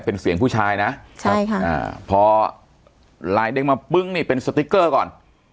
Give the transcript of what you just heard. เป็นเสียงผู้ชายนะใช่ค่ะอ่าพอไลน์เด้งมาปึ้งนี่เป็นสติ๊กเกอร์ก่อน